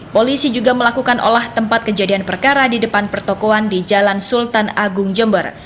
polisi juga melakukan olah tempat kejadian perkara di depan pertokohan di jalan sultan agung jember